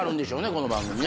この番組。